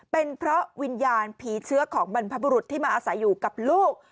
เป็นเพราะวิญญาณผีเชื้อของบรรพบุรุษที่มาอาศัยอยู่กับลูก